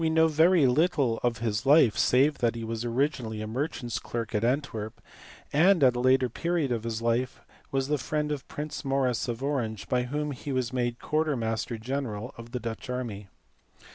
know very little of his life save that he was originally a merchant s clerk at Antwerp, and at a later period of his life was the friend of Prince Maurice of Orange by whom he was made quarter master general of the Dutch army.